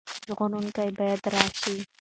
ژغورونکی باید راشي.